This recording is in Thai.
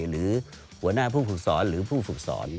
หรือหัวหน้าผู้ฝึกสอนหรือผู้ฝึกสอน